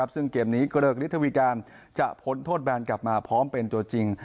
ซึ่งเกมนี้เกริกฤทธวีการจะพ้นโทษแบนกลับมาพร้อมเป็นตัวจริง